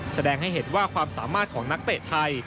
แสดงให้เห็นว่าความสามารถของนักเตะไทย